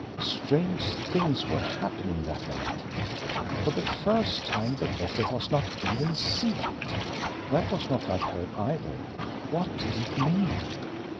Strange things were happening that night! For the first time, the letter was not even SEALED! That was not like her, either! What did it mean?